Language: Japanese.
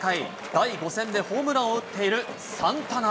第５戦でホームランを打っているサンタナ。